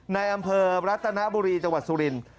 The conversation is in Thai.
ในอำเภอรัตนบุรีจังหวัดสุรินทร์